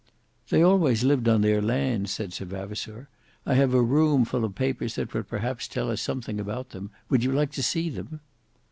"They always lived on their lands," said Sir Vavasour. "I have a room full of papers that would perhaps tell us something about them. Would you like to see them?"